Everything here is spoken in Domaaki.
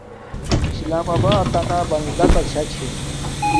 اسلام آباتنا شا بندا تا چھے